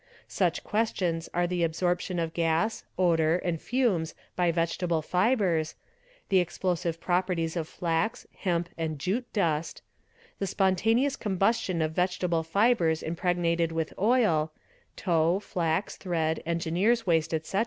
Such ques tions are the absorption of gas, odour, and, fumes, by vegetable fibres ;_ the explosive properties of flax, hemp, and jute dust; the spontaneous 3 combustion of vegetable fibres impregnated with oil (tow, flax, thread, engineer's waste, etc.)